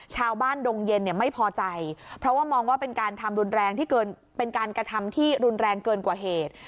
ชาวบ้านดงเย็นไม่พอใจเพราะว่ามองว่าเป็นการทำที่รุนแรงเกินกว่าเหตุ